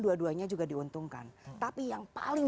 dua duanya juga diuntungkan tapi yang paling